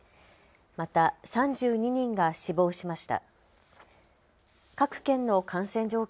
また３２人が死亡しました。